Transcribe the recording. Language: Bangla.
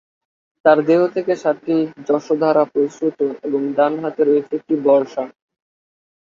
তার দেহ থেকে সাতটি যশোধারা প্রস্রুত এবং ডান হাতে রয়েছে একটি বর্শা।